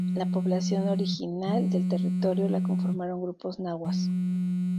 La población original del territorio la conformaron grupos nahuas.